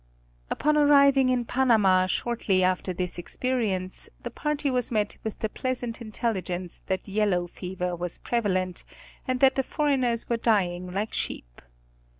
Upon arriving in Panama shortly after this experience, the party was met with the pleasant intelligence that yellow fever was prevalent, and that the foreigners were dying like sheep.